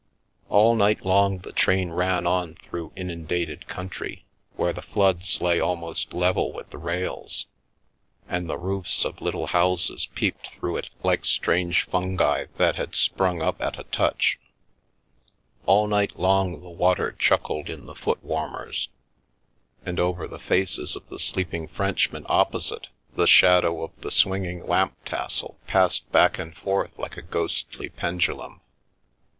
All night long the train ran on through inundated country, where the floods lay almost level with the rails, and the roofs of little houses peeped through it like strange fungi that had sprung up at a touch. All night long the water chuckled in the foot warmers, and over the faces of the sleeping Frenchmen opposite the shadow The Milky Way of the swinging lamp tassel passed back and forth like a ghostly pendulum.